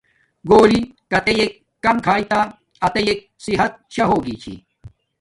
گھولی کاتیک کم کھایوم تا اتیک صحت شاہ ہوگی چھی